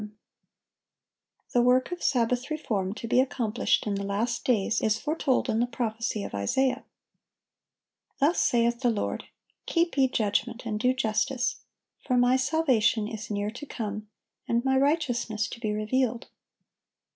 ] The work of Sabbath reform to be accomplished in the last days is foretold in the prophecy of Isaiah: "Thus saith the Lord, Keep ye judgment, and do justice: for My salvation is near to come, and My righteousness to be revealed.